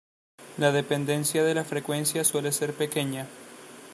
La dependencia de la frecuencia suele ser pequeña.